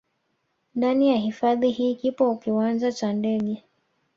Ndani ya hifadhi hii kipo kiwanja cha ndege